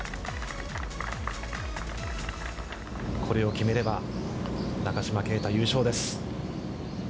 これを決めれば中島啓太優勝です